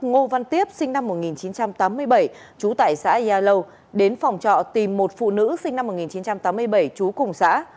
ngô văn tiếp sinh năm một nghìn chín trăm tám mươi bảy trú tại xã yalo đến phòng trọ tìm một phụ nữ sinh năm một nghìn chín trăm tám mươi bảy trú cùng xã